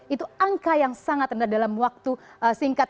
itu angka yang sangat rendah dalam waktu singkat